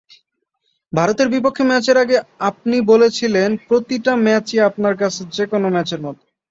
ভারতের বিপক্ষে ম্যাচের আগে আপনি বলেছিলেন, প্রতিটা ম্যাচই আপনার কাছে যেকোনো ম্যাচের মতো।